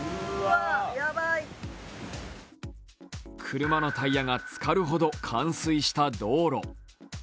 車のタイヤがつかるほど冠水した道路。